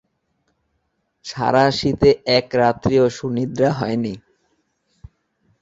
সারা শীতে এক রাত্রিও সুনিদ্রা হয়নি।